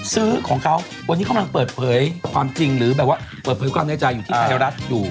ซื้อของเขาวันนี้เขากำลังเปิดเผยความจริงหรือแบบว่าเปิดเผยความในใจอยู่ที่ไทยรัฐอยู่